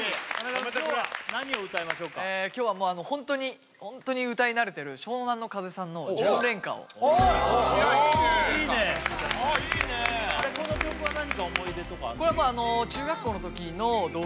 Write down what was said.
今日は何を歌いましょうかえ今日はもうあのホントにホントに歌い慣れてる湘南乃風さんの「純恋歌」をああいいねいやいいねああいいねこの曲は何か思い出とかあるんですか？